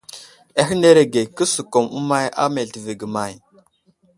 Ahənerege :» kəsəkum əmay á meltivi ge may ?«.